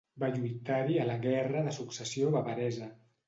Va lluitar-hi a la Guerra de Successió bavaresa.